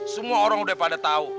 semua orang udah pada tahu